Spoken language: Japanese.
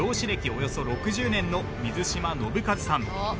およそ６０年の水島信一さん。